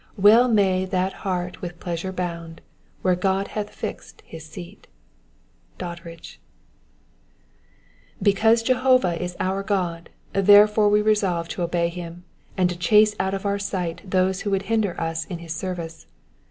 Well may that heart with pleasure bound, Where God hath flz'd his seat'' Doddridge, Because Jehovah is our God therefore we resolve to obey him, and to chase out of our sight those who would hinder us in his service.